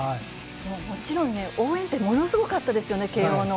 もちろんね、応援ってものすごかったですよね、慶応の。